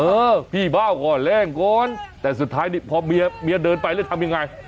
เออพี่บ้าก่อนแรงก่อนแต่สุดท้ายนี่พอเมียเดินไปแล้วทำยังไง